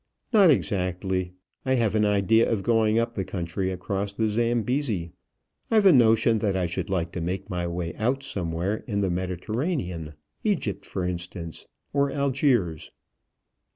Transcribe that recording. "Not exactly. I have an idea of going up the country across the Zambesi. I've a notion that I should like to make my way out somewhere in the Mediterranean, Egypt, for instance, or Algiers."